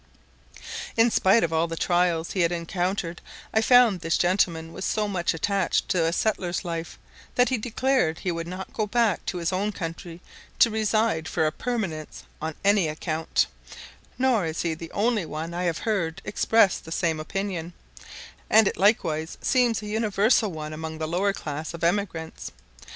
In spite of all the trials he had encountered, I found this gentleman was so much attached to a settler's life, that he declared he would not go back to his own country to reside for a permanence on any account; nor is he the only one that I have heard express the same opinion; and it likewise seems a universal one among the lower class of emigrants.